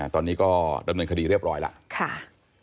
ตอนนี้ก็ดำเนินคดีเรียบร้อยแล้ว